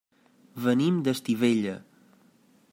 Venim d'Estivella.